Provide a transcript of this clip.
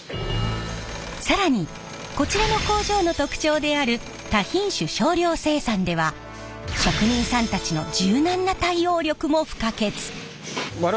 更にこちらの工場の特徴である多品種少量生産では職人さんたちの柔軟な対応力も不可欠。